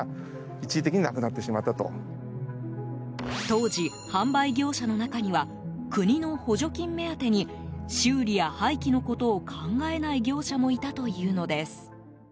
当時、販売業者の中には国の補助金目当てに修理や廃棄のことを考えない業者もいたというのです。